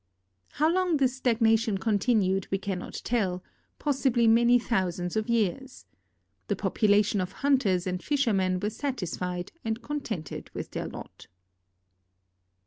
How long this stagnation continued we cannot tell — possibly many thousands of years. The population of hunters and fishermen were satisfied and contented with their lot.